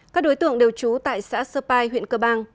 các đối tượng đều trú tại xã sơ pai huyện cơ bang